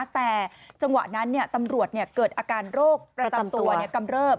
แต่จังหวะนั้นตำรวจเกิดอาการโรคประจำตัวกำเริบ